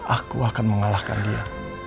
aku akan mengalahkan dia